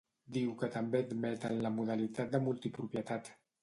Diu que també admeten la modalitat de multipropietat.